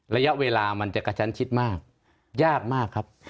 ระยะเวลามันจะกระชั้นชิดมากยากมากครับ